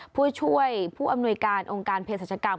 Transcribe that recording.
ผู้ช่วยผู้อำนวยการองค์การเพศรัชกรรม